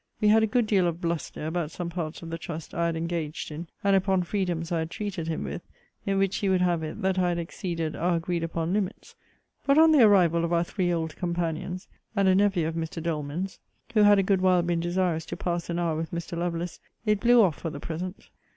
We had a good deal of bluster about some parts of the trust I had engaged in; and upon freedoms I had treated him with; in which, he would have it, that I had exceeded our agreed upon limits; but on the arrival of our three old companions, and a nephew of Mr. Doleman's, (who had a good while been desirous to pass an hour with Mr. Lovelace,) it blew off for the present.